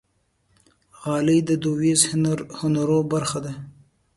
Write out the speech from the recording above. غالۍ د دودیزو هنرونو برخه ده.